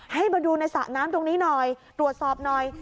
ให้มาดูในสระน้ำตรงนี้หน่อยตรวจสอบหน่อย